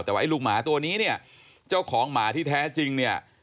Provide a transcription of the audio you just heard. แต่ว่าไอลูกหมาตัวนี้เนี่ยเจ้าของหมาที่แท้จริงเนี่ย